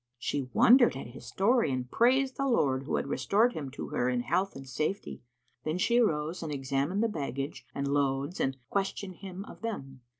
She wondered at his story and praised the Lord who had restored him to her in health and safety. Then she arose and examined the baggage and loads and questioned him of them.